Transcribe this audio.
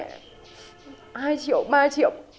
hai triệu ba triệu